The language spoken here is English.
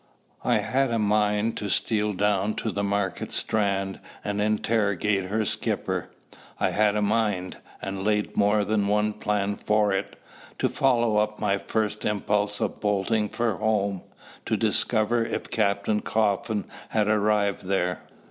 I had a mind to steal down to the Market Strand and interrogate her skipper. I had a mind and laid more than one plan for it to follow up my first impulse of bolting for home, to discover if Captain Coffin had arrived there.